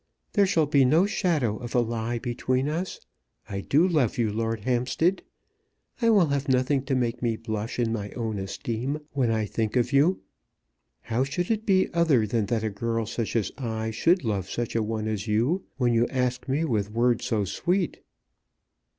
"There shall be no shadow of a lie between us. I do love you, Lord Hampstead. I will have nothing to make me blush in my own esteem when I think of you. How should it be other than that a girl such as I should love such a one as you when you ask me with words so sweet!"